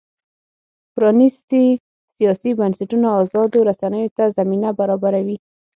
پرانیستي سیاسي بنسټونه ازادو رسنیو ته زمینه برابروي.